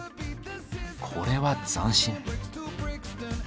これは斬新。